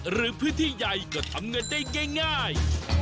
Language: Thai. หรือพื้นที่ใหญ่ก็ทำเงินได้ง่าย